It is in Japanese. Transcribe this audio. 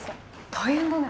大変だね。